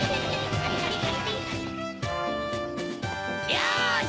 よし！